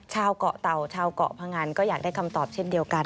ชาวเกาะเต่าชาวเกาะพงันก็อยากได้คำตอบเช่นเดียวกัน